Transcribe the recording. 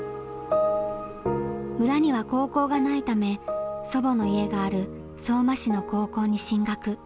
村には高校がないため祖母の家がある相馬市の高校に進学。